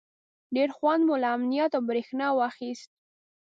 ډېر خوند مو له امنیت او برېښنا واخیست.